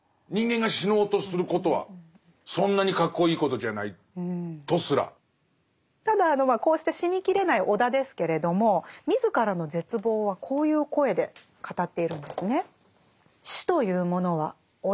逆に言うとただこうして死に切れない尾田ですけれども自らの絶望はこういう声で語っているんですね。